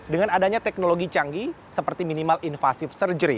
dengan adanya teknologi canggih seperti minimal invasive surgery